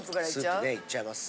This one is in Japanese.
スープねいっちゃいます。